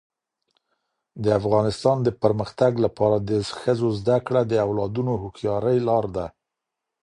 د افغانستان د پرمختګ لپاره د ښځو زدهکړه د اولادونو هوښیارۍ لار ده.